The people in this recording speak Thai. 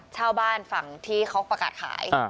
เช่าบ้านฝั่งที่เขาประกาศขาย